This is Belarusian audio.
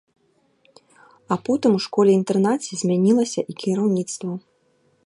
А потым у школе-інтэрнаце змянілася і кіраўніцтва.